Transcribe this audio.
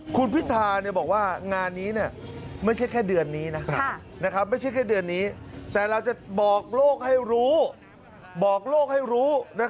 คุณพิธาบอกว่างานนี้ไม่ใช่แค่เดือนนี้นะครับแต่เราจะบอกโลกให้รู้